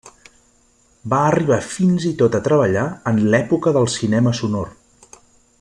Va arribar fins i tot a treballar en l'època del cinema sonor.